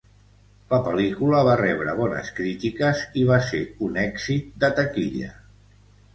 La pel·lícula va rebre bones crítiques i va ser un èxit de taquilla.